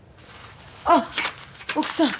あ奥さん。